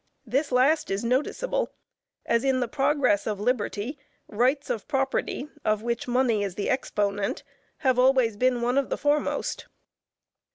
This last is noticeable, as in the progress of liberty, rights of property, of which money is the exponent, have always been one of the foremost.